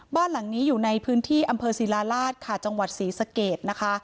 บ้านหลังนี้อยู่ในพื้นที่อำเภอศิลาราชค่ะจังหวัดศรีสะเกดนะคะ